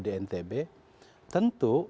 di ntb tentu